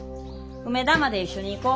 梅田まで一緒に行こ。